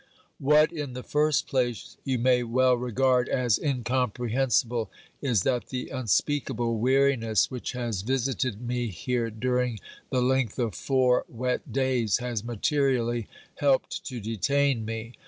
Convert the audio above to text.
What, in the first place, you may well regard as incom prehensible, is that the unspeakable weariness which has visited me here during the length of four wet days has materially helped to detain me.